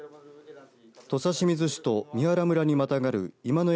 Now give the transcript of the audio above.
土佐清水市と三原村にまたがる今ノ